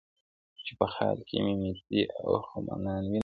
• چي په خیال کي میکدې او خُمان وینم,